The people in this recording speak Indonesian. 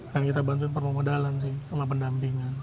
dan kita bantuin permodalan sih sama pendampingan